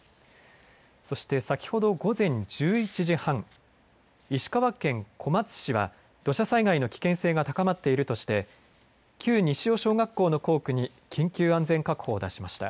そして先ほど午前１１時半、石川県小松市は土砂災害の危険性が高まっているとして旧西尾小学校の校区に緊急安全確保を出しました。